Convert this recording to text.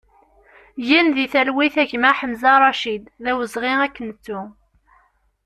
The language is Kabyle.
Gen di talwit a gma Ḥemza Racid, d awezɣi ad k-nettu!